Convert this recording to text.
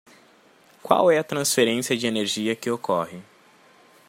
Qual é a transferência de energia que ocorre?